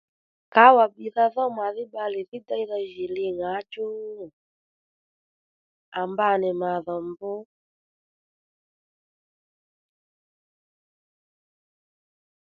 Kǎwà bbìdha dhó màdhí bbalè dhí lǎní deydha djì li ŋǎchú à mba nì màdhò mbr